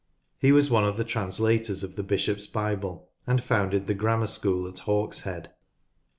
He was one of the translators of the Bishops' Bible, and founded the Grammar School at Hawkshead.